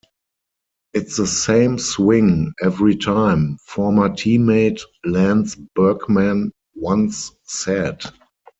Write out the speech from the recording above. "It's the same swing every time", former teammate Lance Berkman once said.